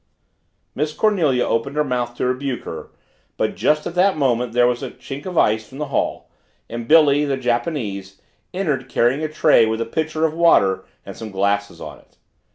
Miss Cornelia opened her mouth to rebuke her but just at that moment there, was a clink of ice from the hall, and Billy, the Japanese, entered carrying a tray with a pitcher of water and some glasses on it.